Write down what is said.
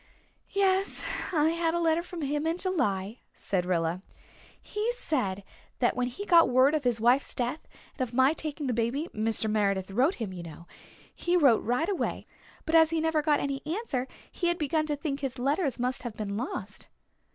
"Yes, I had a letter from him in July," said Rilla. "He said that when he got word of his wife's death and of my taking the baby Mr. Meredith wrote him, you know he wrote right away, but as he never got any answer he had begun to think his letter must have been lost."